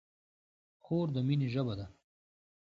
خور د مینې ژبه ده.